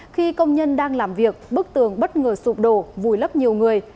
khi công nhân đang làm việc bức tường bất ngờ sụp đổ vùi lấp nhiều người